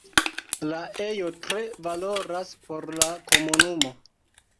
La ejo tre valoras por la komunumo.